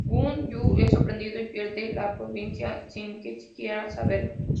Guan Yu es sorprendido y pierde la provincia sin siquiera saberlo.